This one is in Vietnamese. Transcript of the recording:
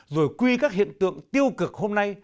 rồi quy các hiện tượng tiêu cực hôm nay